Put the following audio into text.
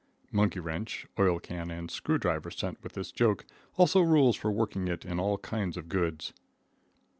(Monkey wrench, oil can and screwdriver sent with this joke; also rules for working it in all kinds of goods.)